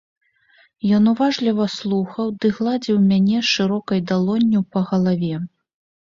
Ён уважліва слухаў ды гладзіў мяне шырокай далонню па галаве.